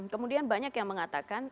kemudian banyak yang mengatakan